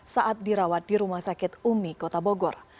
saat dirawat di rumah sakit umi kota bogor